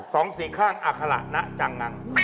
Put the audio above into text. สองสี่ข้างอัคระนะจังงัง